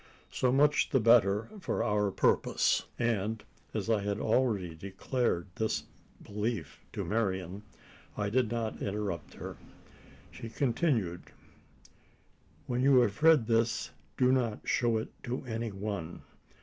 So much the better for our purpose; and, as I had already declared this belief to Marian, I did not interrupt her. She continued: "When you have read this, do not show it to any one.